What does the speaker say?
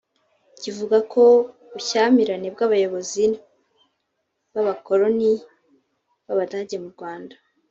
Kivuga ku bushyamirane bw’abayobozi b’abakoloni b’Abadage mu Rwanda